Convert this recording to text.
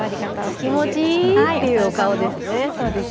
気持ちいいっていうお顔ですね。